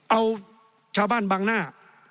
เอาชาวบ้านบังหน้า